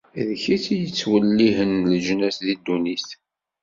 D kečč i yettwellihen leǧnas di ddunit.